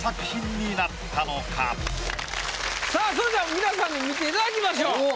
さぁそれでは皆さんに見ていただきましょう。